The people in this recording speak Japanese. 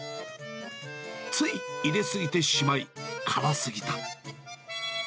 つい入れ過ぎてしまい、辛すぎた。